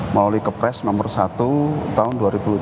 melalui kepres nomor satu tahun dua ribu dua puluh tiga